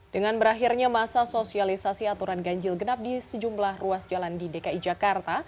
dengan berakhirnya masa sosialisasi aturan ganjil genap di sejumlah ruas jalan di dki jakarta